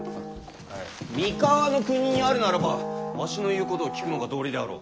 三河国にあるならばわしの言うことを聞くのが道理であろう。